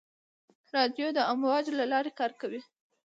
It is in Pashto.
رادیو د امواجو له لارې کار کوي.